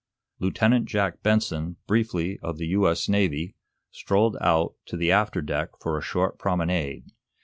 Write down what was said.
Lieutenant Jack Benson, briefly of the U.S. Navy, strolled out to the after deck for a short promenade.